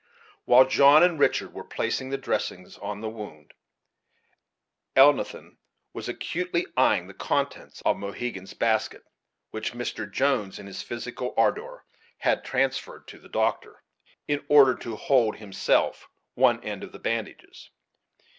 While John and Richard were placing the dressings on the wound, Elnathan was acutely eyeing the contents of Mohegan's basket, which Mr. Jones, in his physical ardor had transferred to the doctor, in order to hold himself one end of the bandages.